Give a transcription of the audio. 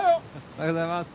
おはようございます。